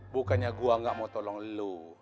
bukannya gua gak mau tolong lu